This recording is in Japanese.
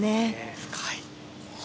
深い。